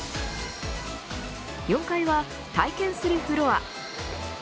４階は体験するフロア。